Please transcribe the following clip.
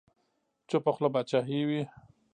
چپه خوله باچاهي وي.